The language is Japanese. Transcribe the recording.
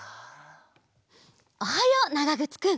おはようながぐつくん！